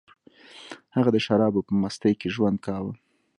هغه د شرابو په مستۍ کې ژوند کاوه